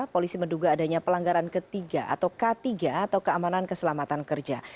polisi menduga adanya pelanggaran ketiga atau k tiga atau keamanan keselamatan kerja